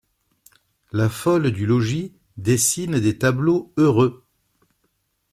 La folle du logis dessine des tableaux heureux.